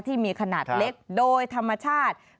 ที่มีขนาดเล็กโดยธรรมชาติ